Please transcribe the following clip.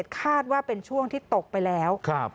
คาดว่าเป็นช่วงที่ตกไปแล้ว